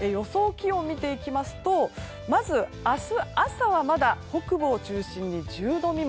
気温を見ていきますとまず、明日朝はまだ北部を中心に１０度未満。